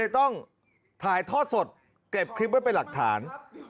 ต้องถ่ายทอดสดเก็บคลิปไว้เป็นหลักฐาน